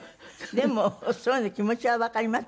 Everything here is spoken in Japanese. でもそういうの気持ちはわかりますよね。